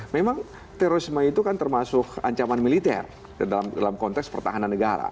memang terorisme itu kan termasuk ancaman militer dalam konteks pertahanan negara